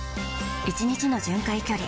１日の巡回距離